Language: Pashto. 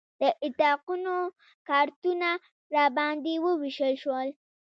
د اتاقونو کارتونه راباندې وویشل شول.